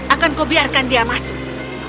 akanku biarkan dia masuk